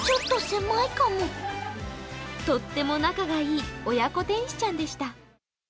とっても仲がいい親子天使ちゃんでした。